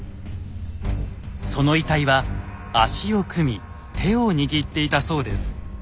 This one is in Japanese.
その遺体は足を組み手を握っていたそうです。